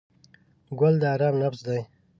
ګل د آرام نفس دی.